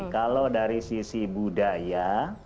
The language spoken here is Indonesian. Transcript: kalau dari sisi budaya